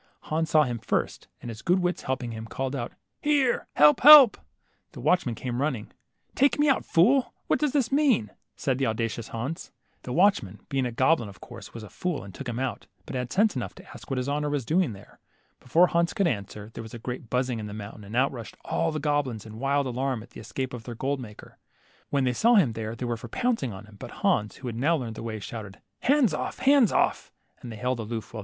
Hans saw him first, and his good wits helping him, called out, Here ! help, help !" The watchman came running. '' Take me out, fool; what does this mean? " said the auda cious Hans. The watchman, being a goblin, of course was a fool arid took him out, but had sense enough to ask what his honor was doing there. Before Hans could answer, there was a great buzzing in the moun tain, and out rushed all the goblins in wild alarm at the escape of their gold maker. When they saw him they were for pouncing upon him, but Hans, who had now learned the way, shouted, Hands off, hands off